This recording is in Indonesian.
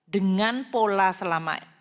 dengan pola konsumsi selama